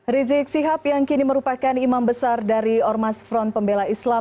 rizik sihab yang kini merupakan imam besar dari ormas front pembela islam